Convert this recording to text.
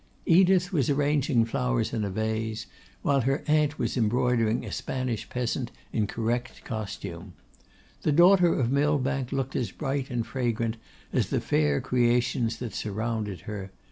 Edith was arranging flowers in a vase, while her aunt was embroidering a Spanish peasant in correct costume. The daughter of Millbank looked as bright and fragrant as the fair creations that surrounded her.